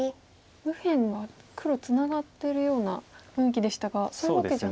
右辺は黒ツナがってるような雰囲気でしたがそういうわけじゃないんですか。